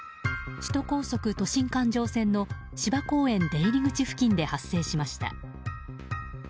首都高都心環状線の芝公園出入り口付近で発生しました。